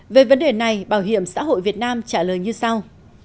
về vấn đề này bảo hiểm xã hội việt nam trả lời như sau